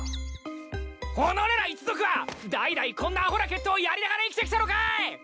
おのれら一族は代々こんなアホな決闘をやりながら生きてきたのかい！